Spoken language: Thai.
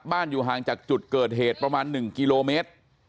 อยู่ห่างจากจุดเกิดเหตุประมาณ๑กิโลเมตร